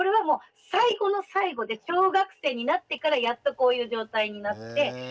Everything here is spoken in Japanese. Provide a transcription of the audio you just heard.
もう最後の最後で小学生になってからやっとこういう状態になって。